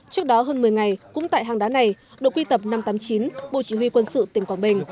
trước đó hơn một mươi ngày cũng tại hang đá này đội quy tập năm trăm tám mươi chín bộ chỉ huy quân sự tỉnh quảng bình